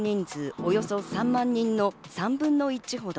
およそ３万人の３分の１ほど。